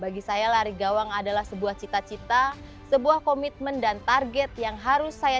bagi saya lari gawang adalah sebuah cita cita sebuah komitmen dan target yang harus saya